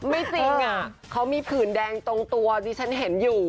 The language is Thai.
ไม่จริงเขามีผื่นแดงตรงตัวดิฉันเห็นอยู่